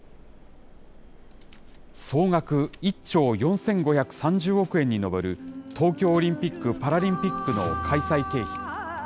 総額１兆４５３０億円に上る東京オリンピック・パラリンピックの開催経費。